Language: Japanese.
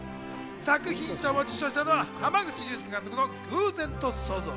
作品賞を受賞したのは濱口竜介監督の『偶然と想像』。